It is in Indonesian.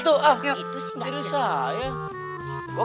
gitu sih nggak jelas